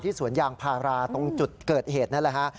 สวนยางพาราตรงจุดเกิดเหตุนั่นแหละฮะ